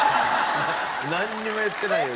なんにも言ってないよ